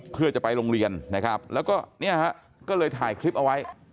เพื่อจะไปโรงเรียนนะครับแล้วก็เนี่ยฮะก็เลยถ่ายคลิปเอาไว้